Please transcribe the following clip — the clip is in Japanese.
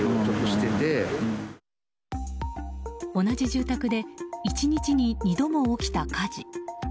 同じ住宅で１日に２度も起きた火事。